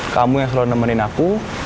kamu yang selalu nemenin aku